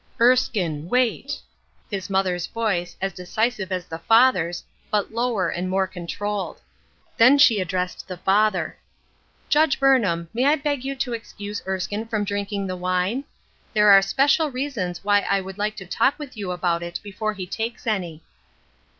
" Erskine, wait !" His mother's voice, as deci sive as the father's, but lower and more controlled. Then she addressed the father :—" Judge Burnham, may I beg you to excuse Erskine from drinking the wine ? There are special reasons why I would like to talk with you about it before he takes any."